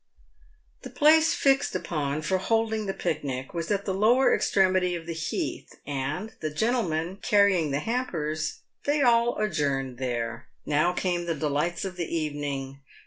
The place fixed upon for holding the pic nic was at the lower extremity of the Heath, and, the gentlemen carrying the hampers, they all adjourned there. Now came the delights of the evening.